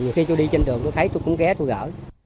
nhiều khi tôi đi trên đường tôi thấy tôi cũng ghé tôi gỡ